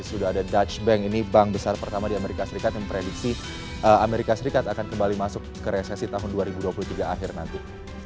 sudah ada dutch bank ini bank besar pertama di amerika serikat yang memprediksi amerika serikat akan kembali masuk ke resesi tahun dua ribu dua puluh tiga akhir nanti